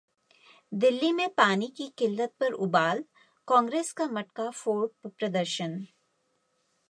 दिल्ली में पानी की किल्लत पर उबाल, कांग्रेस का मटका फोड़ प्रदर्शन